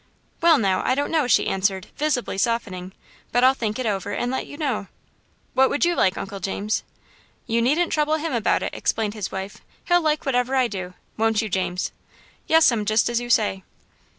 "Well, now, I don't know," she answered, visibly softening, "but I'll think it over, and let you know." "What would you like, Uncle James?" "You needn't trouble him about it," explained his wife. "He'll like whatever I do, won't you, James?" "Yes'm, just as you say."